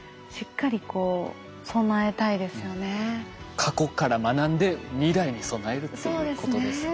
過去から学んで未来に備えるっていうことですね。